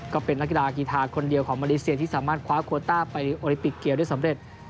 ก็เป็นนักกีฬากีธาคนเดียวของมาเลเซียที่สามารถคว้าโคต้าไปโอลิปิกเกียวได้สำเร็จ